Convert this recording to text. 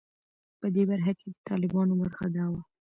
په دې برخه کې د طالبانو برخه دا وه.